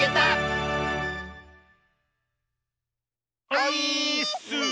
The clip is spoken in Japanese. オイーッス！